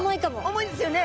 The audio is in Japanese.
重いですよね！